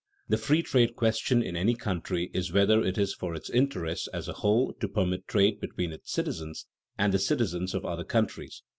_ The free trade question in any country is whether it is for its interests as a whole to permit trade between its citizens and the citizens of other countries.